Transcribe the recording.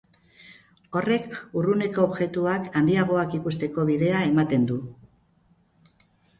Horrek urruneko objektuak handiagoak ikusteko bidea ematen du.